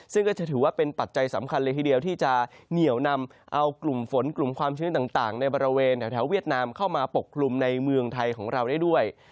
ซึ่งก็จะถือว่าเป็นปัจจัยสำคัญเลยทีเดียวที่จะเหนียวนำเอากลุ่มฝนกลุ่มความชื้นต่างในบริเวณแถวเวียดนามเข้ามาปกคลุมในเมืองไทยของเราได้ด้วย